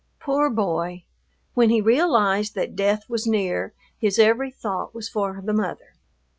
Poor boy! When he realized that death was near his every thought was for the mother.